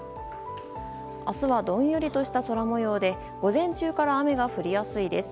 明日はどんよりとした空模様で午前中から雨が降りやすいです。